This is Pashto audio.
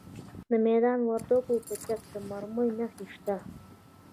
د میدان وردګو په چک کې د مرمرو نښې شته.